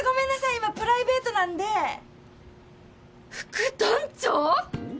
今プライベートなんで副団長！？